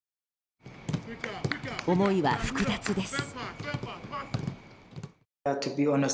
思いは複雑です。